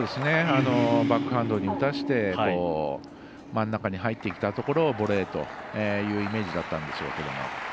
バックハンドに打たせて真ん中に入ってきたところにボレーというイメージだったんでしょうけど。